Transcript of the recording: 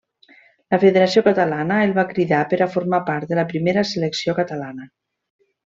La Federació Catalana el va cridar per a formar part de la primera Selecció Catalana.